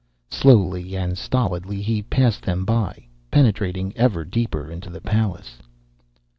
Slowly and stolidly he passed them by, penetrating ever deeper into the palace.